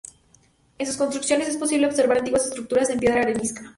En sus construcciones es posible observar antiguas estructuras en piedra arenisca.